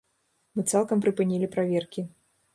Мы цалкам прыпынілі праверкі.